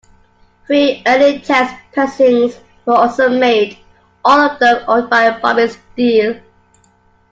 Three early test pressings were also made, all of them owned by Bobby Steele.